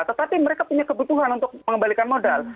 tetapi mereka punya kebutuhan untuk mengembalikan modal